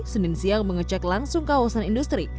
senin siang mengecek langsung kawasan industri